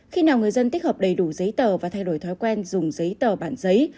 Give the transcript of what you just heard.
khi nào người dân tích hợp đầy đủ giấy tờ và thay đổi thói quen dùng giấy tờ bản giấy